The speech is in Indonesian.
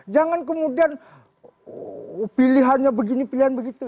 jangan kemudian pilihannya begini pilihan begitu